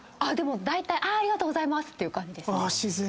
でもだいたいありがとうございますっていう感じですね。